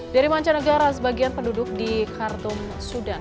dari mancanegara sebagian penduduk di khartoum sudan